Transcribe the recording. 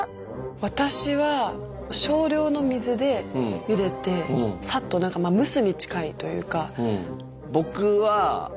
私は少量の水でゆでてさっと蒸すに近いというか。